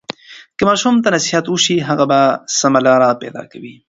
که ماشوم ته نصیحت وشي، هغه سمه لاره پیدا کوي.